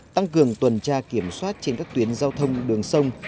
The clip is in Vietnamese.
tăng cường tuần tra kiểm soát trên các tuyến giao thông đường sông